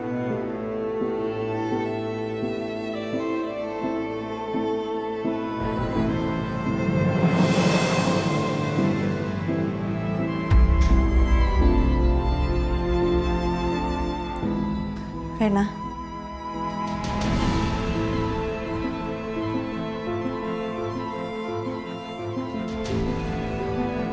kayaknyiko mas kek pirisanmeriti